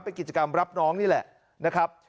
เป็นกิจกรรมรับน้องนี่แหละนะครับ